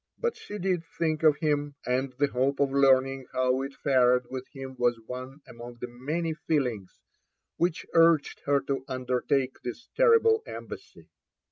But she did think of him, and the hope of learning how it fared with him was one ^mon^ the many feelings which urged her to undertake this terrible embassy.